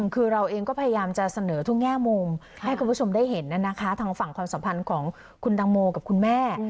คือเราเองก็พยายามจะเสนอทุกแง่มุมให้คุณผู้ชมได้เห็นทางฝั่งความสัมพันธ์ของคุณตังโมกับคุณแม่